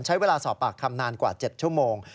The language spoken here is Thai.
ใช้เวลาสอบปากคำนานกว่า๗ชั่วโมง